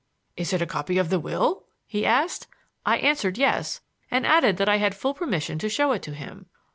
"Is it a copy of the will?" he asked. I answered "yes," and added that I had full permission to show it to him.